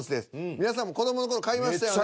皆さんも子どものころ買いましたよね？